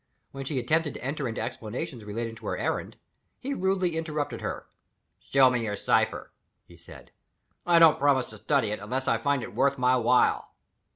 When she attempted to enter into explanations relating to her errand, he rudely interrupted her. "Show me your cipher," he said; "I don't promise to study it unless I find it worth my while."